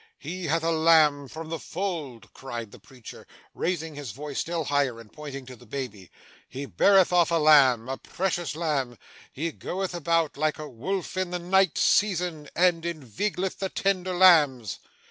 He hath a lamb from the fold!' cried the preacher, raising his voice still higher and pointing to the baby. 'He beareth off a lamb, a precious lamb! He goeth about, like a wolf in the night season, and inveigleth the tender lambs!